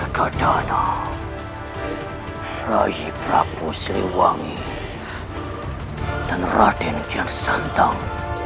orga dana raih prabu siliwangi dan raden gersantang